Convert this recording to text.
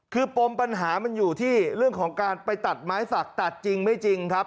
คือปมปัญหามันอยู่ที่เรื่องของการไปตัดไม้สักตัดจริงไม่จริงครับ